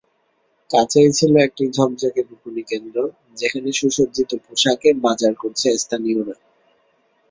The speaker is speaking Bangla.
কাছেই ছিল একটি ঝকঝকে বিপণিকেন্দ্র, যেখানে সুসজ্জিত পোশাকে বাজার করছে স্থানীয়রা।